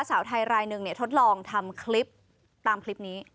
สาวไทยรายหนึ่งทดลองทำคลิปตามคลิปนี้